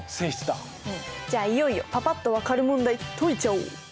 じゃあいよいよパパっと分かる問題解いちゃおう。